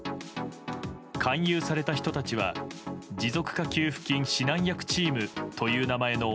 勧誘された人たちは持続化給付金指南役チームという名前の